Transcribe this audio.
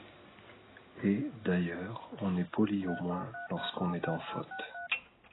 Et, d’ailleurs, on est poli au moins, lorsqu’on est en faute.